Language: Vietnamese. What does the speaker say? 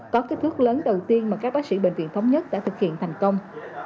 có kích thước lớn đầu tiên mà các bác sĩ bệnh viện thống nhất đã thực hiện thành công